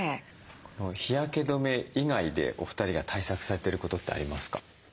日焼け止め以外でお二人が対策されてることってありますか？